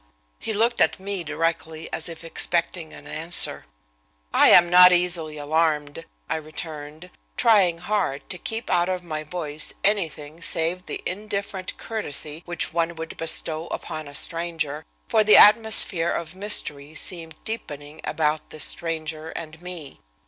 He looked at me directly, as if expecting an answer. "I am not easily alarmed," I returned, trying hard to keep out of my voice anything save the indifferent courtesy which one would bestow upon a stranger, for the atmosphere of mystery seemed deepening about this stranger and me.